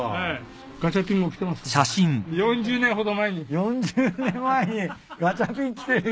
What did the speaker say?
４０年前にガチャピン来てるよ。